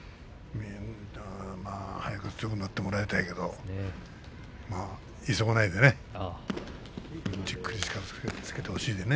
早く強くなってもらいたいけどまあ急がないでねじっくり力をつけてほしいね。